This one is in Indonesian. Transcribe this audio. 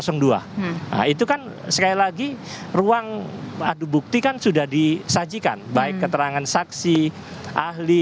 nah itu kan sekali lagi ruang bukti kan sudah disajikan baik keterangan saksi ahli